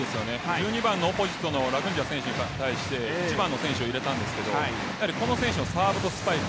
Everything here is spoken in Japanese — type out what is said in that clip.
１２番のオポジットのラグンジヤ選手に対して１番の選手を入れたんですけどこの選手のサーブとスパイク